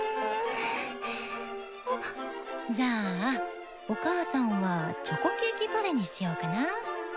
じゃあお母さんはチョコケーキパフェにしようかな。